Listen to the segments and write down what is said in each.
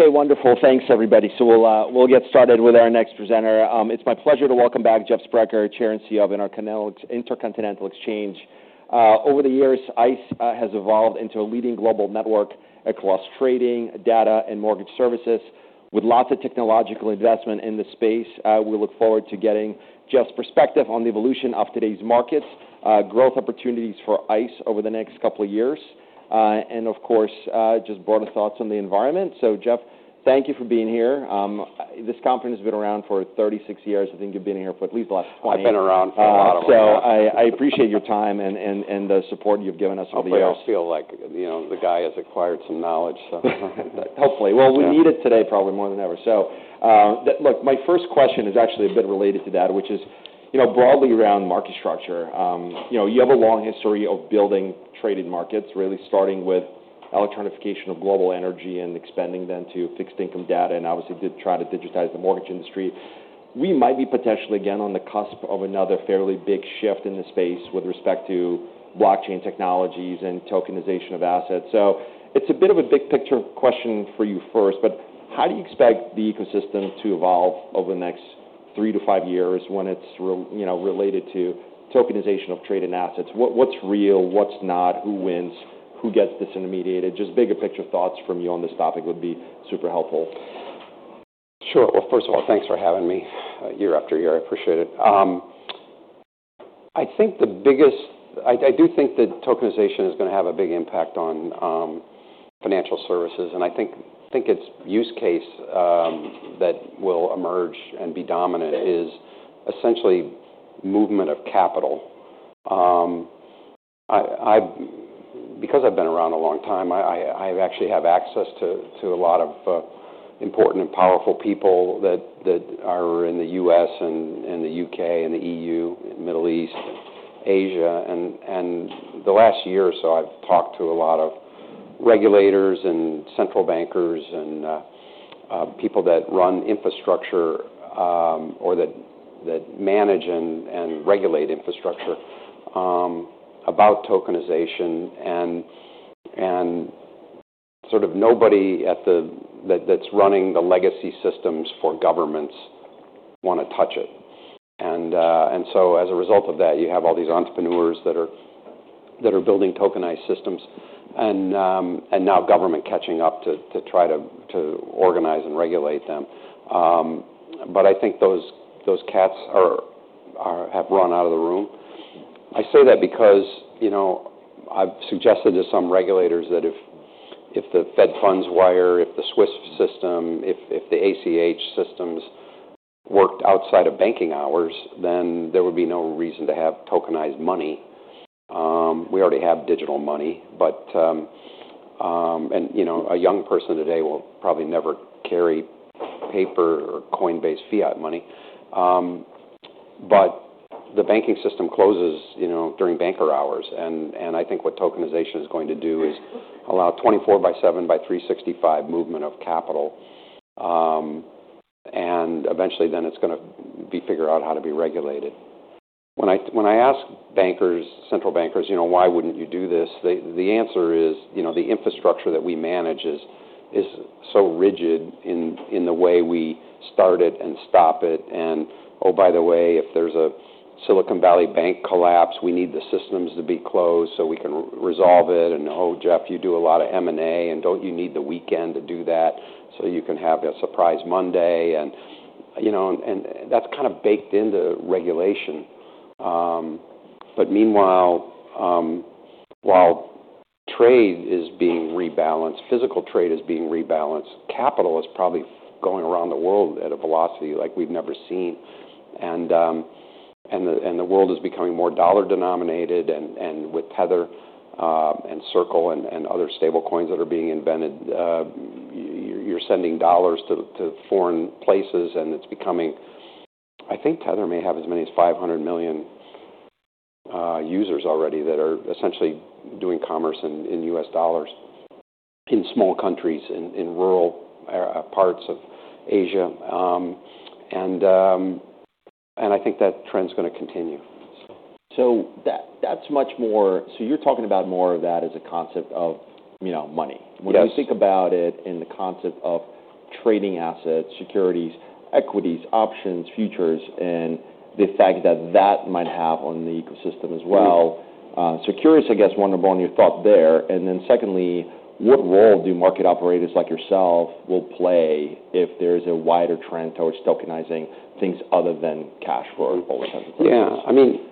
Okay, wonderful. Thanks, everybody. So we'll get started with our next presenter. It's my pleasure to welcome back Jeff Sprecher, Chair and CEO of Intercontinental Exchange. Over the years, ICE has evolved into a leading global network across trading, data, and mortgage services, with lots of technological investment in the space. We look forward to getting Jeff's perspective on the evolution of today's markets, growth opportunities for ICE over the next couple of years, and of course, just broader thoughts on the environment. So Jeff, thank you for being here. This company's been around for 36 years. I think you've been here for at least the last 20 years. I've been around for a lot of them. So I appreciate your time and the support you've given us over the years. I always feel like, you know, the guy has acquired some knowledge, so. Hopefully. Well, we need it today probably more than ever. So, look, my first question is actually a bit related to that, which is, you know, broadly around market structure. You know, you have a long history of building traded markets, really starting with the electrification of global energy and expanding then to fixed income data and obviously did try to digitize the mortgage industry. We might be potentially again on the cusp of another fairly big shift in the space with respect to blockchain technologies and tokenization of assets. So it's a bit of a big picture question for you first, but how do you expect the ecosystem to evolve over the next three to five years when it's real, you know, related to tokenization of traded assets? What, what's real, what's not, who wins, who gets disintermediated? Just bigger picture thoughts from you on this topic would be super helpful. Sure. Well, first of all, thanks for having me, year after year. I appreciate it. I think the biggest. I do think that tokenization is gonna have a big impact on financial services. And I think its use case that will emerge and be dominant is essentially movement of capital. I have because I've been around a long time. I actually have access to a lot of important and powerful people that are in the U.S. and the U.K. and the E.U., Middle East, and Asia. And the last year or so, I've talked to a lot of regulators and central bankers and people that run infrastructure or that manage and regulate infrastructure about tokenization. And sort of nobody that's running the legacy systems for governments wanna touch it. So as a result of that, you have all these entrepreneurs that are building tokenized systems and now government catching up to try to organize and regulate them. But I think those cats have run out of the room. I say that because, you know, I've suggested to some regulators that if the Fedwire, if the SWIFT system, if the ACH systems worked outside of banking hours, then there would be no reason to have tokenized money. We already have digital money, but and, you know, a young person today will probably never carry paper or coin-based fiat money. But the banking system closes, you know, during bankers' hours. I think what tokenization is going to do is allow 24 by 7 by 365 movement of capital. And eventually then it's gonna be figured out how to be regulated. When I ask bankers, central bankers, you know, why wouldn't you do this? The answer is, you know, the infrastructure that we manage is so rigid in the way we start it and stop it. And, oh, by the way, if there's a Silicon Valley Bank collapse, we need the systems to be closed so we can resolve it. And, oh, Jeff, you do a lot of M&A and don't you need the weekend to do that so you can have a surprise Monday? And, you know, that's kind of baked into regulation. But meanwhile, while trade is being rebalanced, physical trade is being rebalanced, capital is probably going around the world at a velocity like we've never seen. And the world is becoming more dollar denominated. And with Tether and Circle and other stablecoins that are being invented, you're sending dollars to foreign places and it's becoming. I think Tether may have as many as 500 million users already that are essentially doing commerce in U.S. dollars in small countries in rural parts of Asia. And I think that trend's gonna continue. So that's much more—so you're talking about more of that as a concept of, you know, money. Yes. When you think about it in the concept of trading assets, securities, equities, options, futures, and the effect that that might have on the ecosystem as well. Yes. So curious, I guess. Wonderful on your thought there. And then, secondly, what role do market operators like yourself will play if there's a wider trend towards tokenizing things other than cash for all intents and purposes? Yeah. I mean,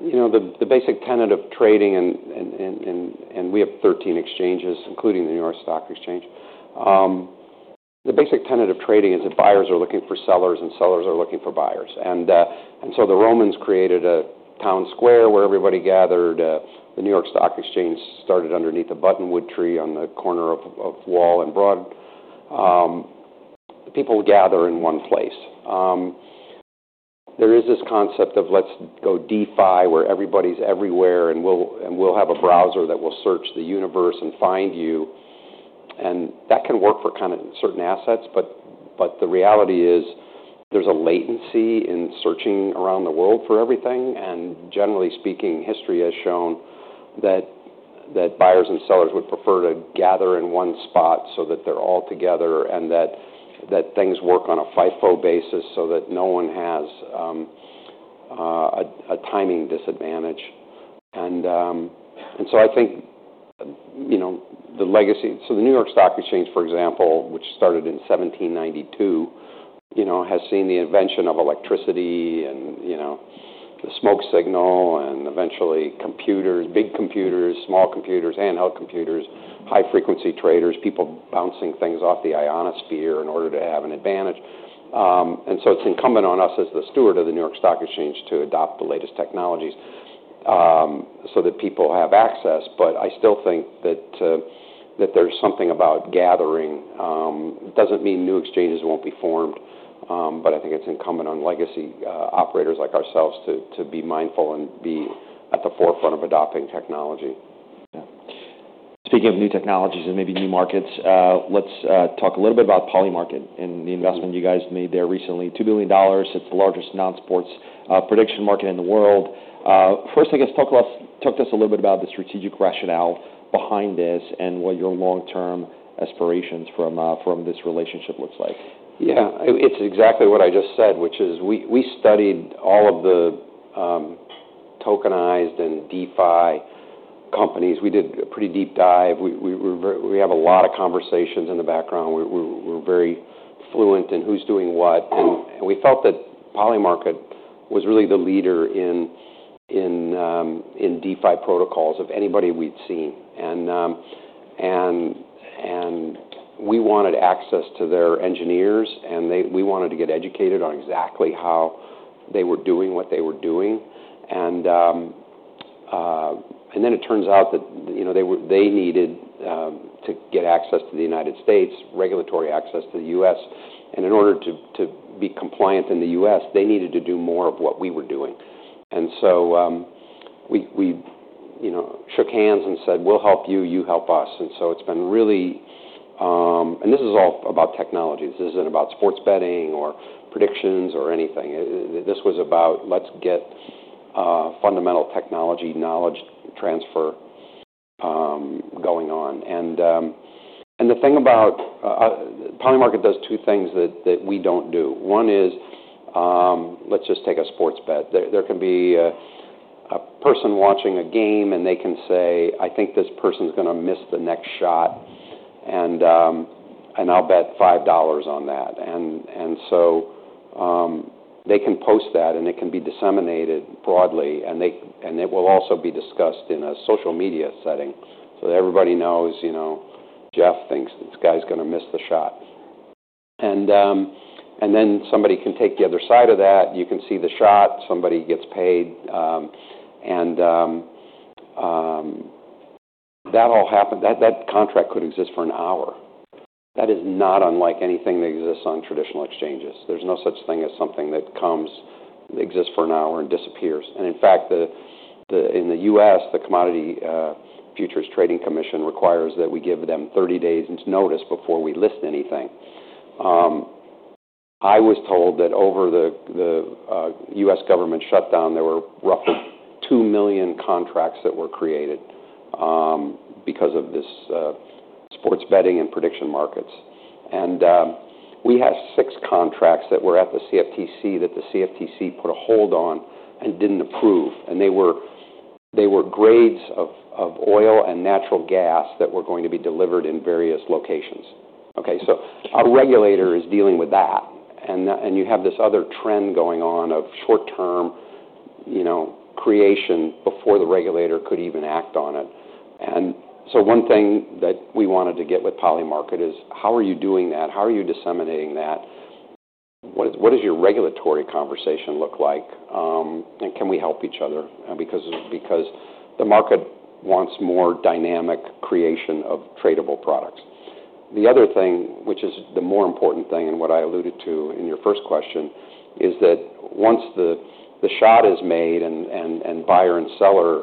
you know, the basic tenet of trading and we have 13 exchanges, including the New York Stock Exchange. The basic tenet of trading is that buyers are looking for sellers and sellers are looking for buyers. And so the Romans created a town square where everybody gathered. The New York Stock Exchange started underneath a Buttonwood tree on the corner of Wall and Broad. People gather in one place. There is this concept of let's go DeFi where everybody's everywhere and we'll have a browser that will search the universe and find you. And that can work for kind of certain assets, but the reality is there's a latency in searching around the world for everything. And generally speaking, history has shown that buyers and sellers would prefer to gather in one spot so that they're all together and that things work on a FIFO basis so that no one has a timing disadvantage. And so I think, you know, the legacy—so the New York Stock Exchange, for example, which started in 1792, you know, has seen the invention of electricity and, you know, the smoke signal and eventually computers, big computers, small computers, handheld computers, high-frequency traders, people bouncing things off the ionosphere in order to have an advantage. And so it's incumbent on us as the steward of the New York Stock Exchange to adopt the latest technologies, so that people have access. But I still think that there's something about gathering. It doesn't mean new exchanges won't be formed, but I think it's incumbent on legacy operators like ourselves to be mindful and be at the forefront of adopting technology. Yeah. Speaking of new technologies and maybe new markets, let's talk a little bit about Polymarket and the investment you guys made there recently. $2 billion. It's the largest non-sports prediction market in the world. First, I guess, talk to us a little bit about the strategic rationale behind this and what your long-term aspirations from this relationship looks like. Yeah. It's exactly what I just said, which is we studied all of the tokenized and DeFi companies. We did a pretty deep dive. We have a lot of conversations in the background. We're very fluent in who's doing what. And we felt that Polymarket was really the leader in DeFi protocols of anybody we'd seen. And we wanted access to their engineers. We wanted to get educated on exactly how they were doing what they were doing. And then it turns out that, you know, they needed to get access to the United States, regulatory access to the U.S. And in order to be compliant in the U.S., they needed to do more of what we were doing. And so, you know, we shook hands and said, "We'll help you, you help us." And so it's been really, and this is all about technologies. This isn't about sports betting or predictions or anything. It—this was about let's get fundamental technology knowledge transfer going on. And the thing about, Polymarket does two things that we don't do. One is, let's just take a sports bet. There can be a person watching a game and they can say, "I think this person's gonna miss the next shot." And I'll bet $5 on that. And so, they can post that and it can be disseminated broadly and it will also be discussed in a social media setting so that everybody knows, you know, Jeff thinks this guy's gonna miss the shot. And then somebody can take the other side of that. You can see the shot, somebody gets paid. And that all happened, that contract could exist for an hour. That is not unlike anything that exists on traditional exchanges. There's no such thing as something that comes, exists for an hour and disappears. And in fact, in the U.S., the Commodity Futures Trading Commission requires that we give them 30 days' notice before we list anything. I was told that over the U.S. government shutdown, there were roughly two million contracts that were created because of this sports betting and prediction markets. And we had six contracts that were at the CFTC that the CFTC put a hold on and didn't approve. And they were grades of oil and natural gas that were going to be delivered in various locations. Okay? So our regulator is dealing with that. And you have this other trend going on of short-term, you know, creation before the regulator could even act on it. And so one thing that we wanted to get with Polymarket is, how are you doing that? How are you disseminating that? What does your regulatory conversation look like? And can we help each other? Because the market wants more dynamic creation of tradable products. The other thing, which is the more important thing and what I alluded to in your first question, is that once the shot is made and buyer and seller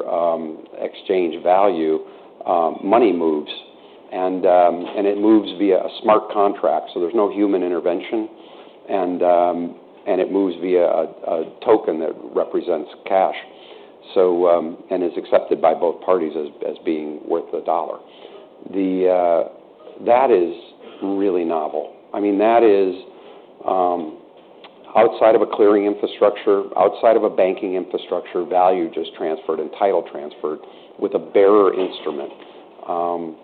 exchange value, money moves. And it moves via a smart contract. So there's no human intervention. And it moves via a token that represents cash. So is accepted by both parties as being worth a dollar. That is really novel. I mean, that is outside of a clearing infrastructure, outside of a banking infrastructure, value just transferred and title transferred with a bearer instrument,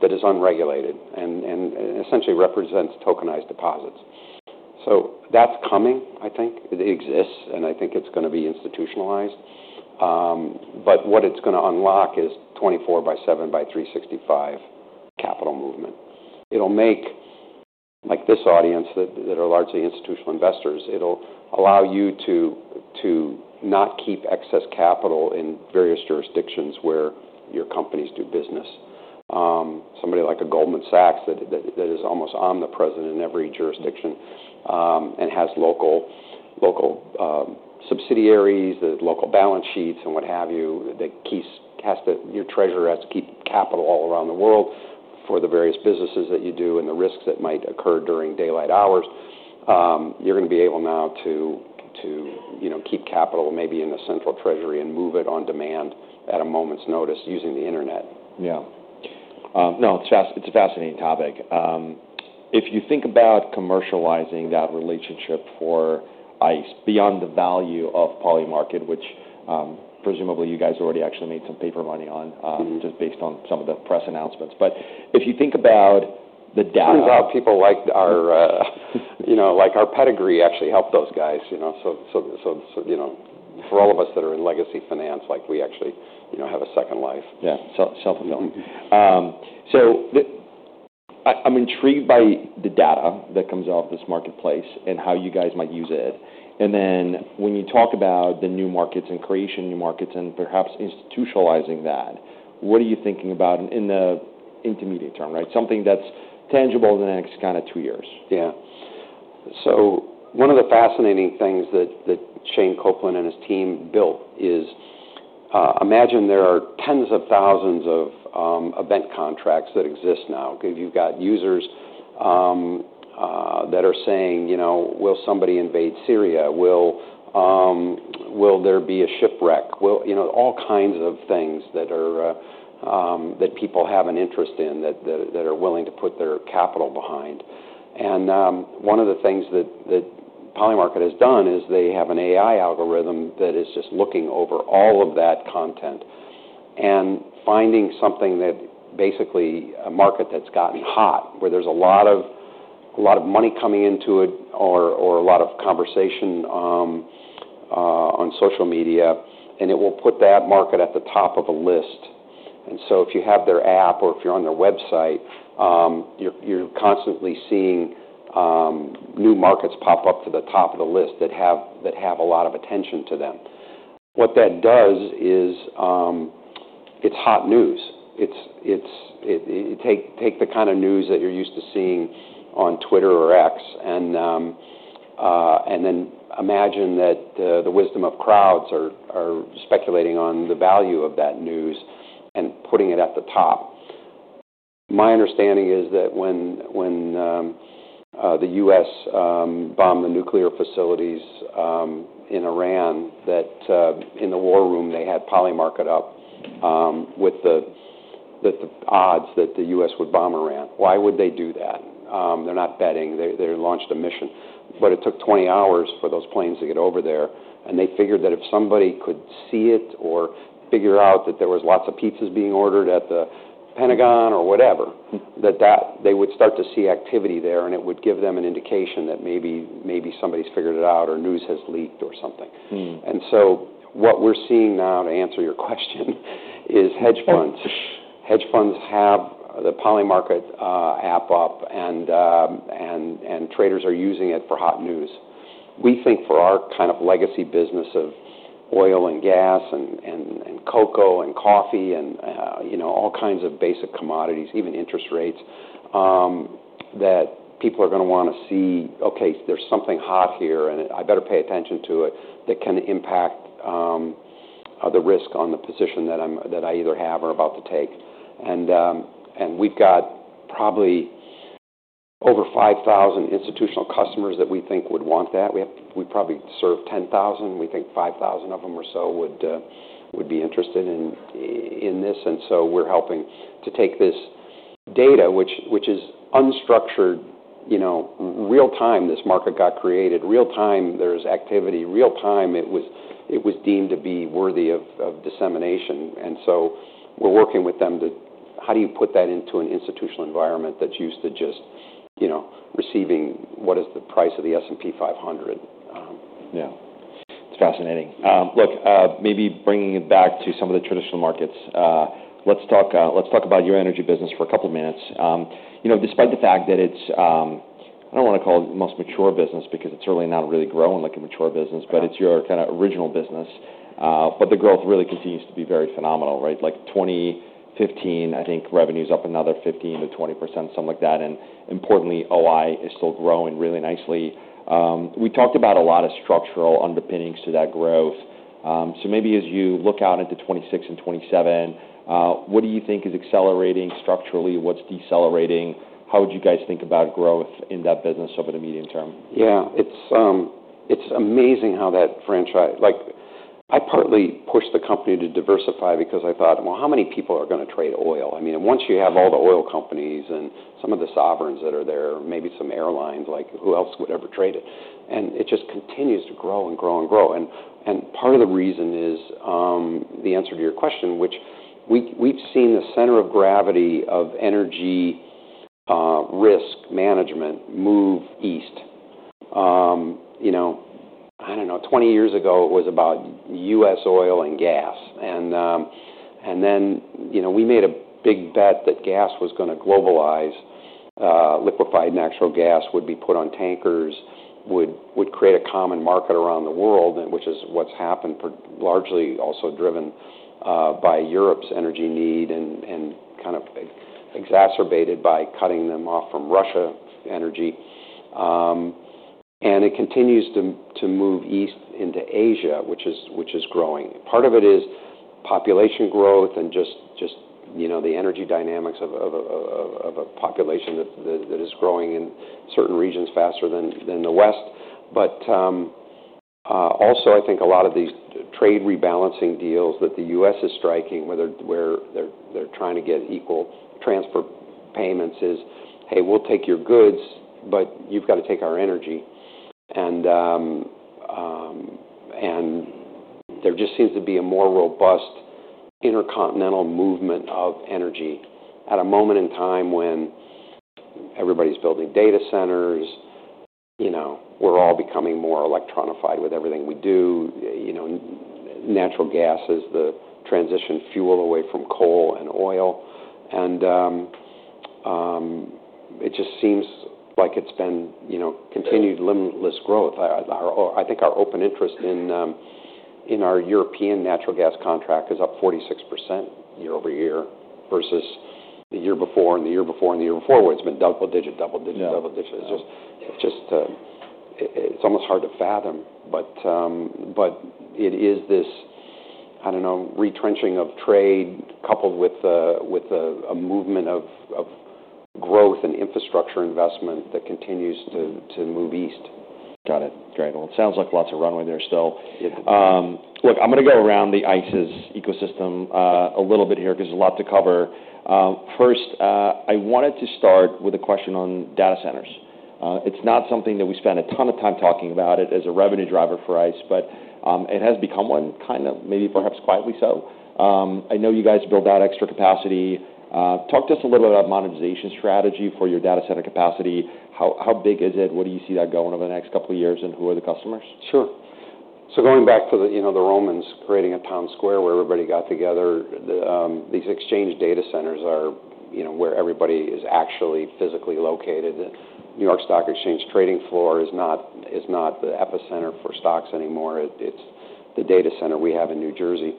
that is unregulated and essentially represents tokenized deposits. So that's coming, I think. It exists. And I think it's gonna be institutionalized. But what it's gonna unlock is 24 by 7 by 365 capital movement. It'll make, like this audience that are largely institutional investors, it'll allow you to not keep excess capital in various jurisdictions where your companies do business. Somebody like a Goldman Sachs that is almost omnipresent in every jurisdiction, and has local subsidiaries, the local balance sheets and what have you, that your treasurer has to keep capital all around the world for the various businesses that you do and the risks that might occur during daylight hours. You're gonna be able now to, you know, keep capital maybe in a central treasury and move it on demand at a moment's notice using the internet. Yeah. No, it's a fascinating topic. If you think about commercializing that relationship for ICE beyond the value of Polymarket, which, presumably you guys already actually made some paper money on, just based on some of the press announcements. But if you think about the data. Turns out people like our, you know, like our pedigree actually helped those guys, you know? So, you know, for all of us that are in legacy finance, like we actually, you know, have a second life. Yeah. Self-affirming. I'm intrigued by the data that comes out of this marketplace and how you guys might use it. And then when you talk about the new markets and creation new markets and perhaps institutionalizing that, what are you thinking about in the intermediate term, right? Something that's tangible in the next kind of two years. Yeah. So one of the fascinating things that Shayne Coplan and his team built is, imagine there are tens of thousands of event contracts that exist now. If you've got users that are saying, you know, will somebody invade Syria? Will there be a shipwreck? Will, you know, all kinds of things that people have an interest in that are willing to put their capital behind. And one of the things that Polymarket has done is they have an AI algorithm that is just looking over all of that content and finding something that basically a market that's gotten hot where there's a lot of money coming into it or a lot of conversation on social media. And it will put that market at the top of a list. And so if you have their app or if you're on their website, you're constantly seeing new markets pop up to the top of the list that have a lot of attention to them. What that does is, it's hot news. It's it takes the kind of news that you're used to seeing on Twitter or X and then imagine that the wisdom of crowds are speculating on the value of that news and putting it at the top. My understanding is that when the U.S. bombed the nuclear facilities in Iran, that in the war room, they had Polymarket up with the odds that the U.S. would bomb Iran. Why would they do that? They're not betting. They launched a mission, but it took 20 hours for those planes to get over there. And they figured that if somebody could see it or figure out that there was lots of pizzas being ordered at the Pentagon or whatever, that they would start to see activity there and it would give them an indication that maybe, maybe somebody's figured it out or news has leaked or something. And so what we're seeing now, to answer your question, is hedge funds. Hedge funds have the Polymarket app up and traders are using it for hot news. We think for our kind of legacy business of oil and gas and cocoa and coffee and, you know, all kinds of basic commodities, even interest rates, that people are gonna wanna see, okay, there's something hot here and I better pay attention to it that can impact the risk on the position that I'm that I either have or about to take. We've got probably over 5,000 institutional customers that we think would want that. We have. We probably serve 10,000. We think 5,000 of them or so would be interested in this. We're helping to take this data, which is unstructured, you know, real time. This market got created real time. There's activity real time. It was deemed to be worthy of dissemination. We're working with them to how do you put that into an institutional environment that's used to just, you know, receiving what is the price of the S&P 500? Yeah. It's fascinating. Look, maybe bringing it back to some of the traditional markets, let's talk, let's talk about your energy business for a couple of minutes. You know, despite the fact that it's, I don't wanna call it the most mature business because it's certainly not really growing like a mature business, but it's your kind of original business, but the growth really continues to be very phenomenal, right? Like 2015, I think revenue's up another 15%-20%, something like that. And importantly, OI is still growing really nicely. We talked about a lot of structural underpinnings to that growth, so maybe as you look out into 2026 and 2027, what do you think is accelerating structurally? What's decelerating? How would you guys think about growth in that business over the medium term? Yeah. It's amazing how that franchise, like, I partly pushed the company to diversify because I thought, well, how many people are gonna trade oil? I mean, once you have all the oil companies and some of the sovereigns that are there, maybe some airlines, like who else would ever trade it? And it just continues to grow and grow and grow. And part of the reason is the answer to your question, which we've seen the center of gravity of energy risk management move east. You know, I don't know, 20 years ago it was about U.S. oil and gas. And then, you know, we made a big bet that gas was gonna globalize, liquefied natural gas would be put on tankers, would create a common market around the world, which is what's happened, largely also driven by Europe's energy need and kind of exacerbated by cutting them off from Russian energy. And it continues to move east into Asia, which is growing. Part of it is population growth and just, you know, the energy dynamics of a population that is growing in certain regions faster than the West. But also I think a lot of these trade rebalancing deals that the U.S. is striking, whether they're trying to get equal transfer payments is, hey, we'll take your goods, but you've gotta take our energy. And there just seems to be a more robust intercontinental movement of energy at a moment in time when everybody's building data centers, you know, we're all becoming more electronified with everything we do, you know, natural gas is the transition fuel away from coal and oil. And it just seems like it's been, you know, continued limitless growth. Our, I think our open interest in our European natural gas contract is up 46% year over year versus the year before and the year before and the year before where it's been double digit, double digit, double digit. It's just almost hard to fathom. But it is this, I don't know, retrenching of trade coupled with a movement of growth and infrastructure investment that continues to move east. Got it. Great. Well, it sounds like lots of runway there still. Look, I'm gonna go around the ICE's ecosystem, a little bit here 'cause there's a lot to cover. First, I wanted to start with a question on data centers. It's not something that we spend a ton of time talking about as a revenue driver for ICE, but it has become one kind of maybe perhaps quietly so. I know you guys build out extra capacity. Talk to us a little bit about monetization strategy for your data center capacity. How big is it? Where do you see that going over the next couple of years and who are the customers? Sure. So going back to the, you know, the Romans creating a town square where everybody got together, these exchange data centers are, you know, where everybody is actually physically located. The New York Stock Exchange trading floor is not, is not the epicenter for stocks anymore. It's the data center we have in New Jersey.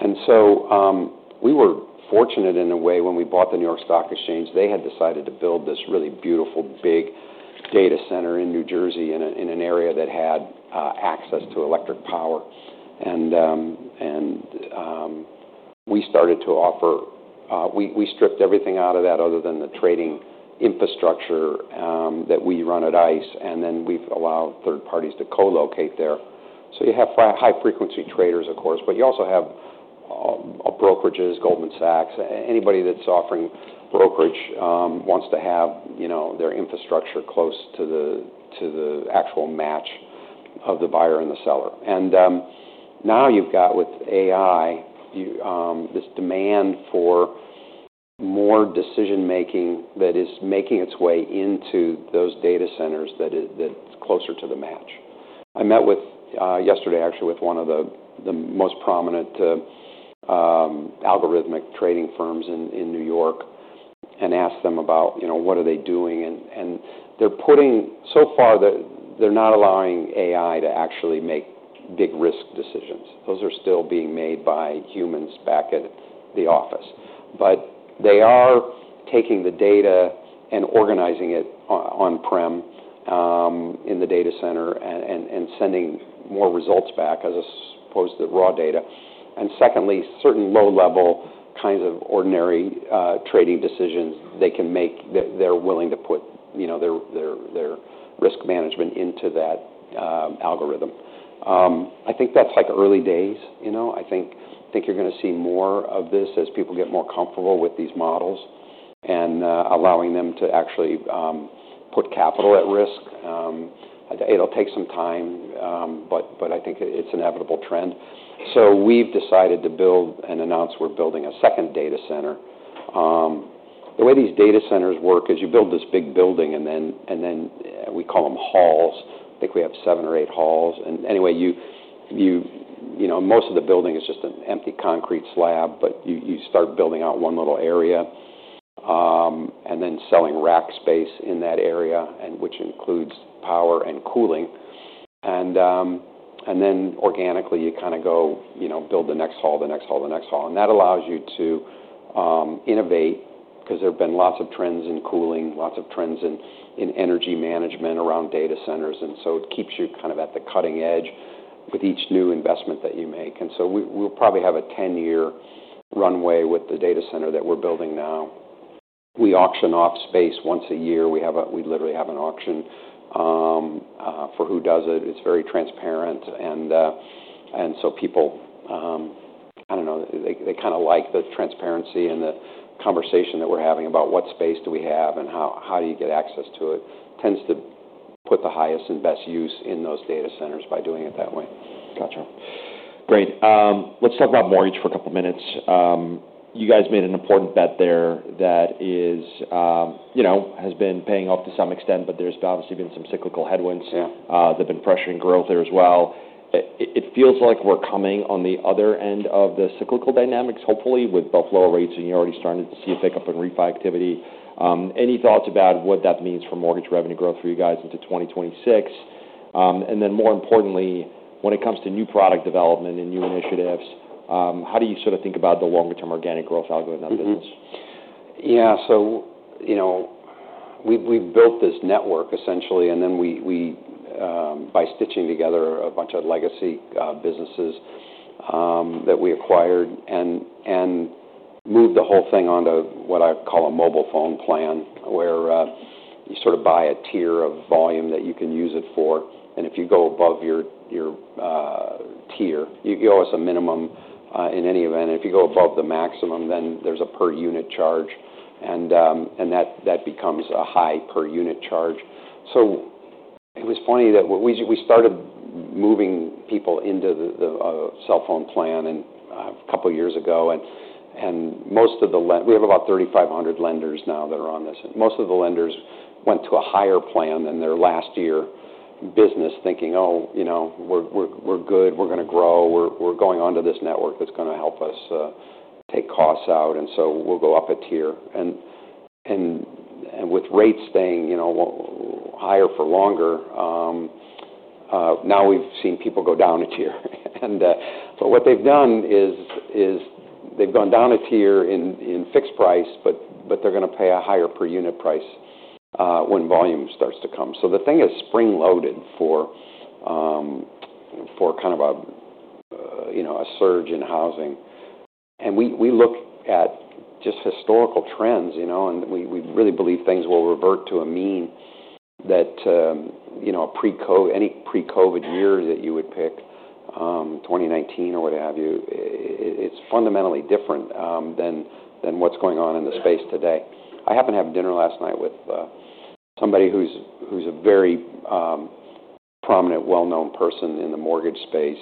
And so we were fortunate in a way when we bought the New York Stock Exchange. They had decided to build this really beautiful big data center in New Jersey in an area that had access to electric power. And we started to offer. We stripped everything out of that other than the trading infrastructure that we run at ICE. And then we've allowed third parties to co-locate there. So you have high-frequency traders, of course, but you also have brokerages, Goldman Sachs, anybody that's offering brokerage, wants to have, you know, their infrastructure close to the actual match of the buyer and the seller. And now you've got with AI this demand for more decision making that's making its way into those data centers that's closer to the match. I met yesterday actually with one of the most prominent algorithmic trading firms in New York and asked them about, you know, what are they doing. And they're putting so far that they're not allowing AI to actually make big risk decisions. Those are still being made by humans back at the office. But they are taking the data and organizing it on-prem in the data center and sending more results back as opposed to the raw data. And secondly, certain low-level kinds of ordinary trading decisions they can make that they're willing to put, you know, their risk management into that algorithm. I think that's like early days, you know? I think you're gonna see more of this as people get more comfortable with these models and allowing them to actually put capital at risk. It'll take some time, but I think it's an inevitable trend. So we've decided to build and announce we're building a second data center. The way these data centers work is you build this big building and then we call them halls. I think we have seven or eight halls. And anyway, you know, most of the building is just an empty concrete slab, but you start building out one little area, and then selling rack space in that area, which includes power and cooling. And then organically you kind of go, you know, build the next hall, the next hall, the next hall. And that allows you to innovate 'cause there've been lots of trends in cooling, lots of trends in energy management around data centers. And so it keeps you kind of at the cutting edge with each new investment that you make. And so we'll probably have a 10-year runway with the data center that we're building now. We auction off space once a year. We literally have an auction for who does it. It's very transparent. So people, I don't know, they kind of like the transparency and the conversation that we're having about what space do we have and how do you get access to it. Tends to put the highest and best use in those data centers by doing it that way. Gotcha. Great. Let's talk about mortgage for a couple of minutes. You guys made an important bet there that is, you know, has been paying off to some extent, but there's obviously been some cyclical headwinds. Yeah. They've been pressuring growth there as well. It, it feels like we're coming on the other end of the cyclical dynamics, hopefully with both lower rates and you already started to see a pickup in refi activity. Any thoughts about what that means for mortgage revenue growth for you guys into 2026? And then more importantly, when it comes to new product development and new initiatives, how do you sort of think about the longer term organic growth algorithm in that business? Yeah. So, you know, we've built this network essentially and then by stitching together a bunch of legacy businesses that we acquired and moved the whole thing onto what I call a mobile phone plan where you sort of buy a tier of volume that you can use it for. And if you go above your tier, you owe us a minimum, in any event. And if you go above the maximum, then there's a per unit charge. And that becomes a high per unit charge. So it was funny that we started moving people into the cell phone plan a couple of years ago and most of the lenders we have about 3,500 lenders now that are on this. Most of the lenders went to a higher plan than their last year's business thinking, oh, you know, we're good. We're gonna grow. We're going onto this network that's gonna help us take costs out. And so we'll go up a tier. With rates staying, you know, higher for longer, now we've seen people go down a tier. But what they've done is they've gone down a tier in fixed price, but they're gonna pay a higher per unit price when volume starts to come. So the thing is spring loaded for kind of a, you know, a surge in housing. We look at just historical trends, you know, and we really believe things will revert to a mean that, you know, a pre-COVID, any pre-COVID year that you would pick, 2019 or what have you. It's fundamentally different than what's going on in the space today. I happened to have dinner last night with somebody who's a very prominent, well-known person in the mortgage space.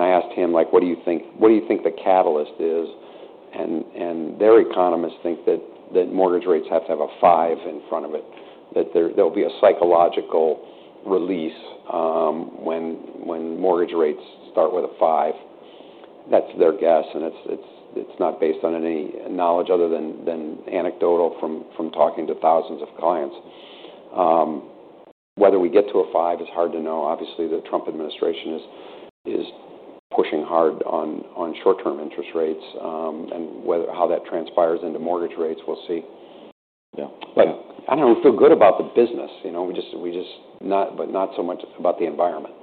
I asked him, like, what do you think the catalyst is? Their economists think that mortgage rates have to have a five in front of it, that there'll be a psychological release when mortgage rates start with a five. That's their guess. It's not based on any knowledge other than anecdotal from talking to thousands of clients. Whether we get to a five is hard to know. Obviously, the Trump administration is pushing hard on short-term interest rates and whether how that transpires into mortgage rates, we'll see. Yeah. But I don't know. We feel good about the business, you know? We just not, but not so much about the environment.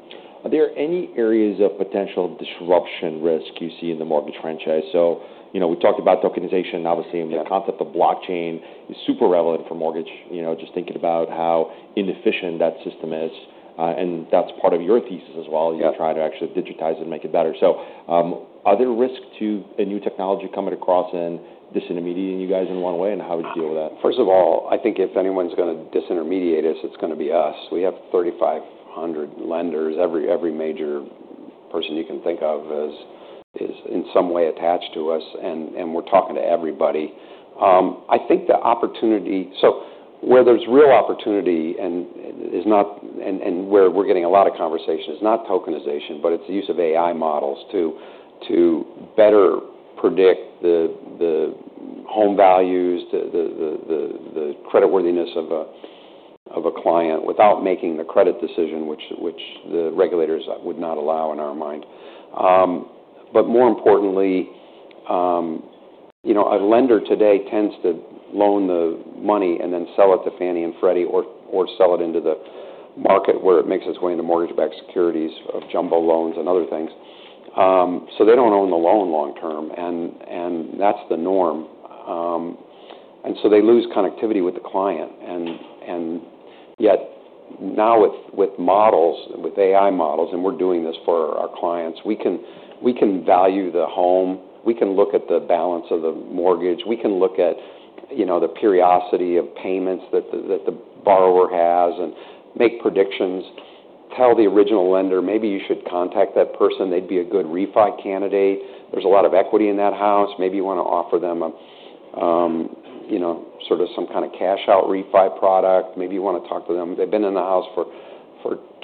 Are there any areas of potential disruption risk you see in the mortgage franchise? So, you know, we talked about tokenization, obviously. Yeah. The concept of blockchain is super relevant for mortgage, you know, just thinking about how inefficient that system is, and that's part of your thesis as well. Yeah. You try to actually digitize it and make it better. So, are there risks to a new technology coming across and disintermediating you guys in one way? And how would you deal with that? First of all, I think if anyone's gonna disintermediate us, it's gonna be us. We have 3,500 lenders. Every major person you can think of is in some way attached to us. And we're talking to everybody. I think the opportunity, so where there's real opportunity, and where we're getting a lot of conversation is not tokenization, but it's the use of AI models to better predict the home values, the creditworthiness of a client without making the credit decision, which the regulators would not allow in our mind. But more importantly, you know, a lender today tends to loan the money and then sell it to Fannie and Freddie or sell it into the market where it makes its way into mortgage-backed securities of jumbo loans and other things. So they don't own the loan long term. And that's the norm. And so they lose connectivity with the client. And yet now with models, with AI models, and we're doing this for our clients, we can value the home. We can look at the balance of the mortgage. We can look at, you know, the periodicity of payments that the borrower has and make predictions, tell the original lender, maybe you should contact that person. They'd be a good refi candidate. There's a lot of equity in that house. Maybe you wanna offer them a, you know, sort of some kind of cash-out refi product. Maybe you wanna talk to them. They've been in the house for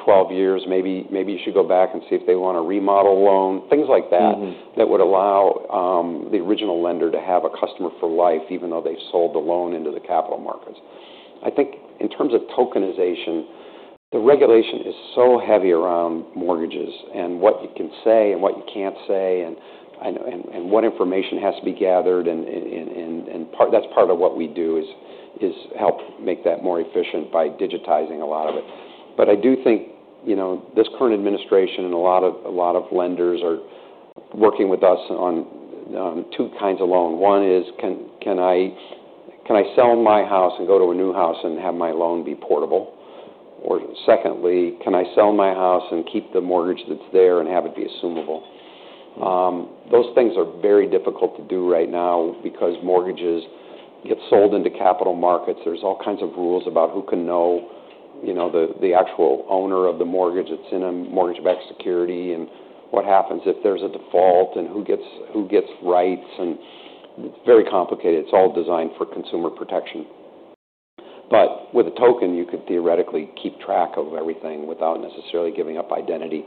12 years. Maybe you should go back and see if they want a remodel loan. Things like that. Mm-hmm. That would allow the original lender to have a customer for life even though they sold the loan into the capital markets. I think in terms of tokenization, the regulation is so heavy around mortgages and what you can say and what you can't say and what information has to be gathered. And that's part of what we do is help make that more efficient by digitizing a lot of it. But I do think, you know, this current administration and a lot of lenders are working with us on two kinds of loan. One is, can I sell my house and go to a new house and have my loan be portable? Or secondly, can I sell my house and keep the mortgage that's there and have it be assumable? Those things are very difficult to do right now because mortgages get sold into capital markets. There's all kinds of rules about who can know, you know, the actual owner of the mortgage that's in a mortgage-backed security and what happens if there's a default and who gets rights. And it's very complicated. It's all designed for consumer protection. But with a token, you could theoretically keep track of everything without necessarily giving up identity.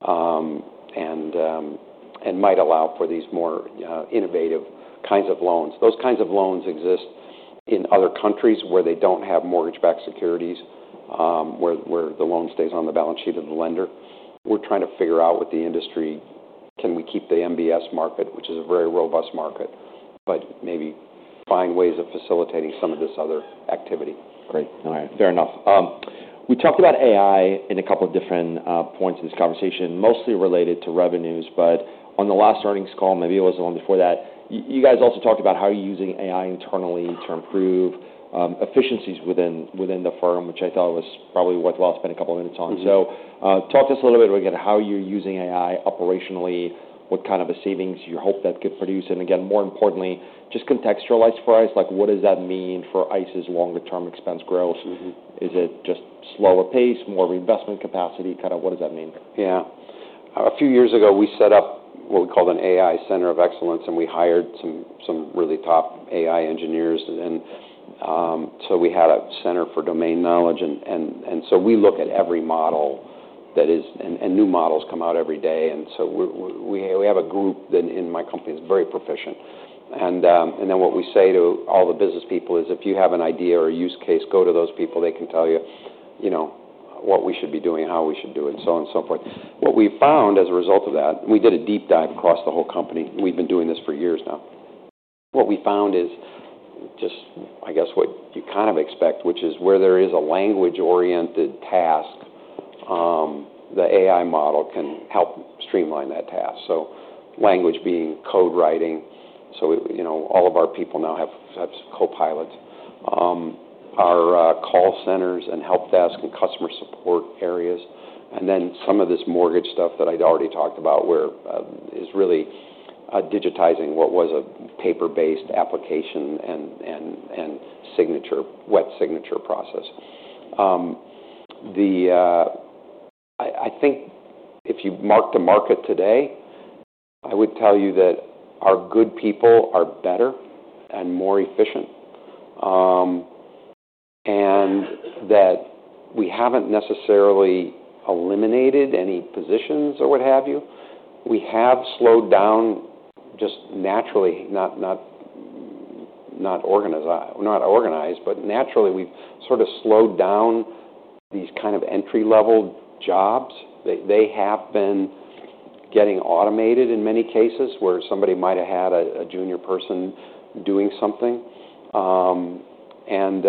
And might allow for these more innovative kinds of loans. Those kinds of loans exist in other countries where they don't have mortgage-backed securities, where the loan stays on the balance sheet of the lender. We're trying to figure out with the industry, can we keep the MBS market, which is a very robust market, but maybe find ways of facilitating some of this other activity. Great. All right. Fair enough. We talked about AI in a couple of different points in this conversation, mostly related to revenues. But on the last earnings call, maybe it was the one before that, you guys also talked about how you're using AI internally to improve efficiencies within the firm, which I thought was probably worthwhile to spend a couple of minutes on. Mm-hmm. So, talk to us a little bit about how you're using AI operationally, what kind of a savings you hope that could produce. And again, more importantly, just contextualize for us, like what does that mean for ICE's longer term expense growth? Mm-hmm. Is it just slower pace, more reinvestment capacity? Kind of what does that mean? Yeah. A few years ago, we set up what we called an AI Center of Excellence, and we hired some really top AI engineers, and so we had a center for domain knowledge. And so we look at every model, and new models come out every day. And so we have a group that in my company is very proficient. And then what we say to all the business people is if you have an idea or a use case, go to those people. They can tell you, you know, what we should be doing, how we should do it, and so on and so forth. What we found as a result of that, we did a deep dive across the whole company. We've been doing this for years now. What we found is just, I guess, what you kind of expect, which is where there is a language-oriented task, the AI model can help streamline that task. So language being code writing. So we, you know, all of our people now have Copilots, our call centers and help desk and customer support areas. And then some of this mortgage stuff that I'd already talked about, which is really digitizing what was a paper-based application and signature, wet signature process. I think if you mark the market today, I would tell you that our good people are better and more efficient, and that we haven't necessarily eliminated any positions or what have you. We have slowed down just naturally, not organized, but naturally we've sort of slowed down these kind of entry-level jobs. They have been getting automated in many cases where somebody might have had a junior person doing something, and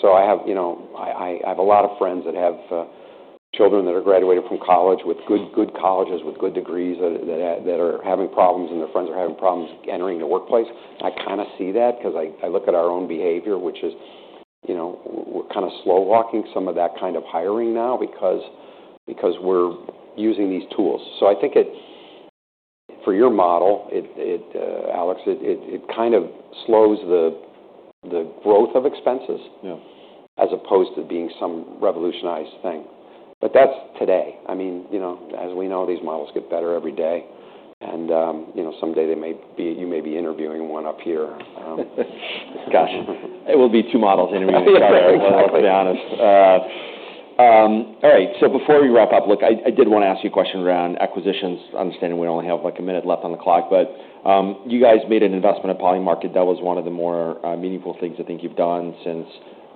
so I have, you know, I have a lot of friends that have children that are graduating from college with good colleges with good degrees that are having problems and their friends are having problems entering the workplace. I kind of see that 'cause I look at our own behavior, which is, you know, we're kind of slow walking some of that kind of hiring now because we're using these tools. So I think it, for your model, it, Alex, it kind of slows the growth of expenses. Yeah. As opposed to being some revolutionized thing. But that's today. I mean, you know, as we know, these models get better every day. And, you know, someday they may be, you may be interviewing one up here. Gotcha. It will be two models interviewing each other. Exactly. To be honest. All right. So before we wrap up, look, I did wanna ask you a question around acquisitions. Understanding we only have like a minute left on the clock, but you guys made an investment at Polymarket. That was one of the more meaningful things I think you've done since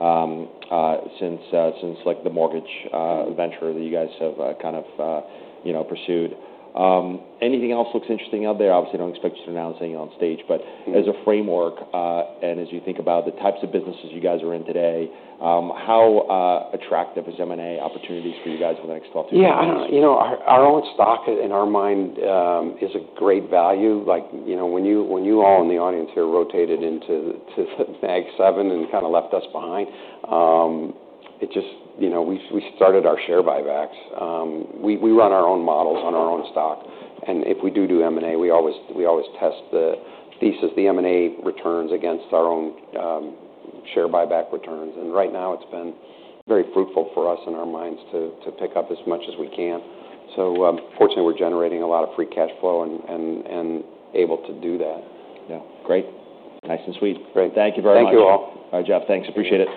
like the mortgage venture that you guys have, kind of, you know, pursued. Anything else looks interesting out there? Obviously, I don't expect you to announce anything on stage, but as a framework, and as you think about the types of businesses you guys are in today, how attractive is M&A opportunities for you guys for the next 12-18 months? Yeah. I don't know. You know, our own stock in our mind is a great value. Like, you know, when you all in the audience here rotated into the Mag 7 and kind of left us behind, it just, you know, we started our share buybacks. We run our own models on our own stock. And if we do M&A, we always test the thesis, the M&A returns against our own share buyback returns. And right now it's been very fruitful for us in our minds to pick up as much as we can. So, fortunately we're generating a lot of free cash flow and able to do that. Yeah. Great. Nice and sweet. Great. Thank you very much. Thank you all. All right, Jeff. Thanks. Appreciate it.